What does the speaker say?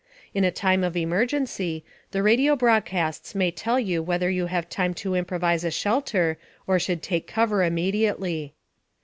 In a time of emergency, the radio broadcasts may tell you whether you have time to improvise a shelter or should take cover immediately.